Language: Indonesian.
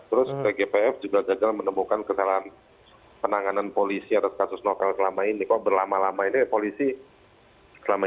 terus tgpf juga gagal menemukan kesalahan penanganan polisi atas kasus novel selama ini kok berlama lama ini polisi selama